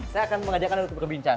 saya akan mengajak anda untuk berbincang